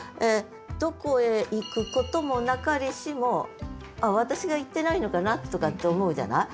「どこへ行くこともなかりし」も私が行ってないのかなとかって思うじゃない？